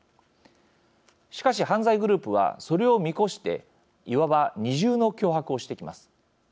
しかし、犯罪グループはそれを見越していわば二重の脅迫をしてきます。